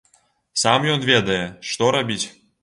Сам ён ведае, што рабіць.